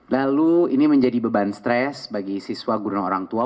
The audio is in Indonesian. lalu ini menjadi beban stres bagi siswa guru dan orang tua